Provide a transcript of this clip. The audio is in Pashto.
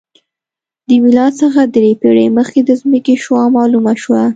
د میلاد څخه درې پېړۍ مخکې د ځمکې شعاع معلومه شوه